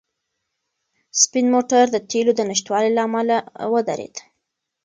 سپین موټر د تېلو د نشتوالي له امله ودرېد.